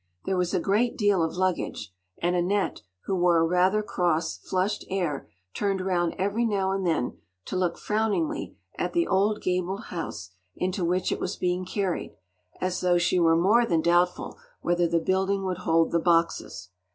There was a great deal of luggage, and Annette, who wore a rather cross, flushed air, turned round every now and then to look frowningly at the old gabled house into which it was being carried, as though she were more than doubtful whether the building would hold the boxes.